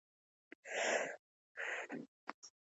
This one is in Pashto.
غرمه د ذهن د بندېدو شیبه ده